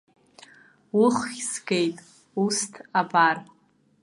Уыххь згеит, усҭ абар.